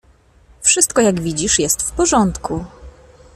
"Wszystko, jak widzisz, jest w porządku."